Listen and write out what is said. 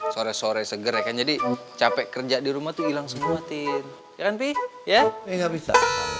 sore sore segera jadi capek kerja di rumah hilang semua tin ya kan pi ya enggak bisa